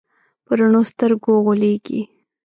په رڼو سترګو غولېږي.